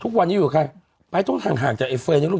ทุกวันนี้อยู่กับใครบ๊ายต้องห่างห่างจากไอ้เฟรย์เนี่ยลูก